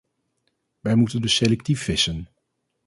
Wij moeten dus selectief vissen.